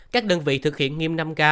các đơn vị thực hiện nghiêm năm k